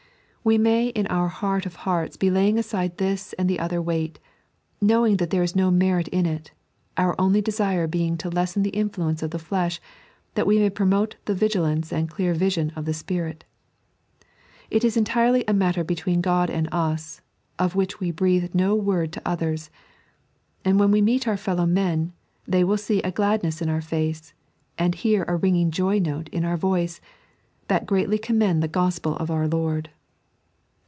We may in our heart of hearts be laying aside this and the other weight, knowing that there is no merit in it, our only desire being to lessen the influence of the flesh, that we may promote the vigi lance and clear vision of the spirit. It is entirely a matter between God and us, of which we breathe no word to others ; and when we meet our feUow men, they will see a gladness on our face, and hear a ringing joy note in our voice, that greatly commend the Gospel of our Lord.